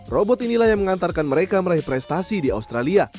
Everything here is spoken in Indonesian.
robot inilah yang mengantarkan mereka meraih prestasi di australia